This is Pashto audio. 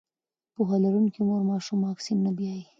پوهه لرونکې مور ماشوم واکسین ته بیايي.